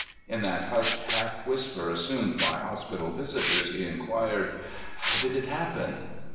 In that hushed half whisper assumed by hospital visitors, he inquired: "How did it happen?"